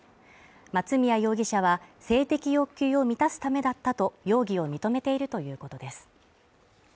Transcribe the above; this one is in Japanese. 松宮容疑者は性的欲求を満たすためだったと容疑を認めているということです。